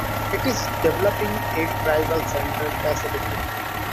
It is developing a tribal center facility.